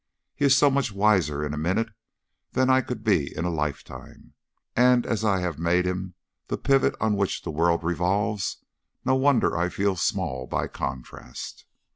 He is so much wiser in a minute than I could be in a lifetime; and as I have made him the pivot on which the world revolves, no wonder I feel small by contrast.